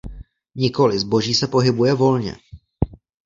Nikoli, zboží se pohybuje volně.